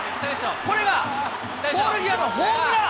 これがポール際のホームラン。